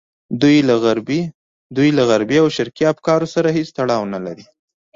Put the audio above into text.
دوی له غربي او شرقي افکارو سره هېڅ تړاو نه لري.